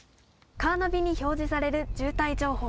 カーナビに表示される渋滞情報。